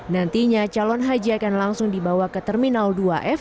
nantinya calon haji akan langsung dibawa ke terminal dua f